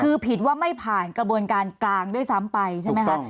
คือผิดว่าไม่ผ่านกระบวนการกลางด้วยซ้ำไปใช่ไหมคะ